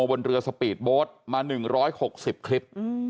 บนเรือสปีดโบ๊ทมา๑๖๐คลิป